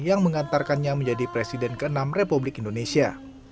yang mengantarkannya menjadi presiden ke enam republik indonesia